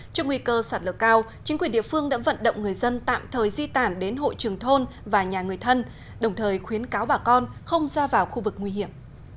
trong nguy cơ sạt lở cao chính quyền địa phương đã vận động người dân tạm thời di tản đến hội trường thôn và nhà người thân đồng thời khuyến cáo bà con không ra vào khu vực nguy hiểm